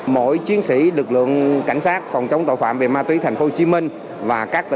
mỗi chiến sĩ lực lượng cảnh sát phòng chống tội phạm về ma túy tp hcm